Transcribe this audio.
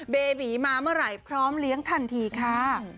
เบบีมาเมื่อไหร่พร้อมเลี้ยงทันทีค่ะ